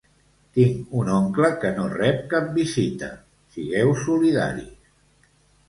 Tinc un oncle que no rep cap visita, sigueu solidaris